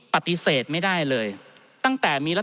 ท่านประธานครับนี่คือสิ่งที่สุดท้ายของท่านครับ